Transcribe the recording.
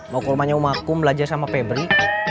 mau kurmanya umahku belajar sama febri